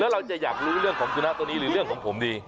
เราจะอยากรู้เรื่องของสุนัขตัวนี้หรือเรื่องของผมดี